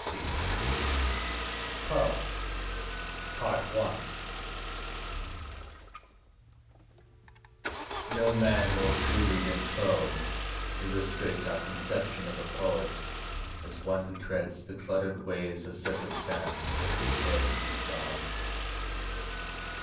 Digitized by Google CHAPTER Vm POE No MAN more truly than Foe illustrates our conception of a poet as one who treads the cluttered ways of circumstance with his head in the clouds.